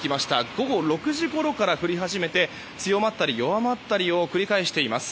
午後６時ごろから降り始めて強まったり弱まったりを繰り返しています。